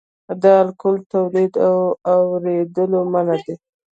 د الکول تولید او واردول منع دي